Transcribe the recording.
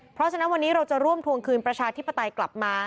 เพราะฉะนั้นวันนี้เราจะร่วมทวงคืนประชาธิปไตยกลับมา